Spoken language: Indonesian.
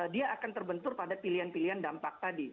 dia akan terbentur pada pilihan pilihan dampak tadi